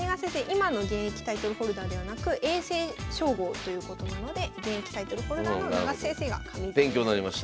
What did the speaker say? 今の現役タイトルホルダーではなく永世称号ということなので現役タイトルホルダーの永瀬先生が上座になります。